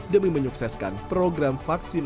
demi menyukseskan program vaksinasi